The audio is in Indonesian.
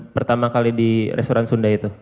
pertama kali di restoran sunda itu